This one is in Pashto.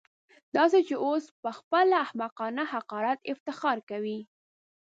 داسې چې اوس پهخپل احمقانه حقارت افتخار کوي.